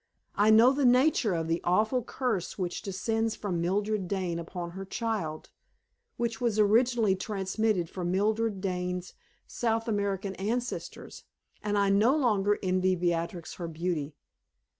I know the nature of the awful curse which descends from Mildred Dane upon her child, which was originally transmitted from Mildred Dane's South American ancestors, and I no longer envy Beatrix her beauty.